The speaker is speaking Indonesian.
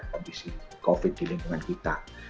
kondisi covid di lingkungan kita